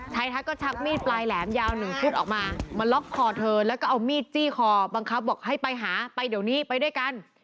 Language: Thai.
ทักก็ชักมีดปลายแหลมยาว๑ชุดออกมามาล็อกคอเธอแล้วก็เอามีดจี้คอบังคับบอกให้ไปหาไปเดี๋ยวนี้ไปด้วยกัน